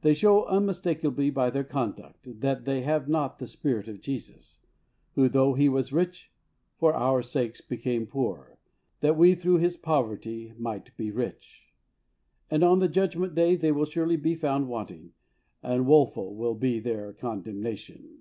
They show unmistakeably by their conduct that they have not the Spirit of Jesus, "Who though He was rich, for our sakes became poor that we through His poverty might be rich," and on the Judgment Day they will surely be found wanting, and woful will be their condemnation.